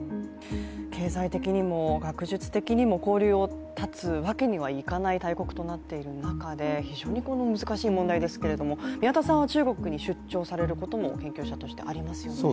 経済的にも学術的にも交流を断つわけにはいかない大国になっている中で非常に難しい問題ですけど宮田さんさんは中国に出張されることも研究者としてありますよね。